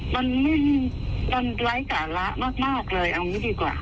มันไม่มันไร้สาระมากเลยเอาอย่างนี้ดีกว่า